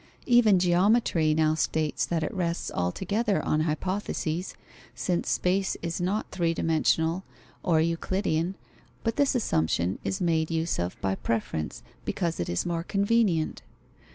Even geometry now states that it rests altogether on hypotheses, since space is not three dimensional or Euclidean, but this assumption is made use of by preference, because it is more convenient.